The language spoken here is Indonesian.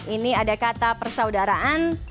ini ada kata persaudaraan